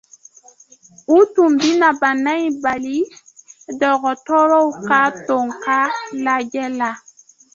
U tun bɛna bana in bali dɔgɔtɔrɔw ka tɔn ka lajɛ la.